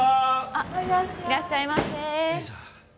あっいらっしゃいませ。